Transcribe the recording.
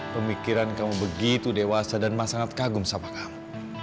pemikiran kamu begitu dewasa dan mah sangat kagum sama kamu